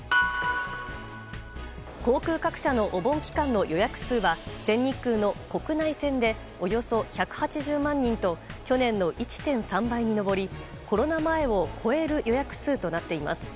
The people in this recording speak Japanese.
航空各社のお盆期間の予約数は全日空の国内線でおよそ１８０万人と去年の１．３倍に上りコロナ前を超える予約数となっています。